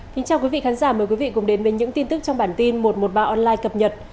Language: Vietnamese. xin chào quý vị khán giả mời quý vị cùng đến với những tin tức trong bản tin một trăm một mươi ba online cập nhật